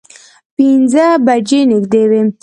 پینځه بجې نږدې وې.